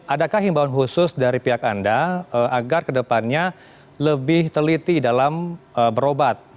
adakah himbauan khusus dari pihak anda agar kedepannya lebih teliti dalam berobat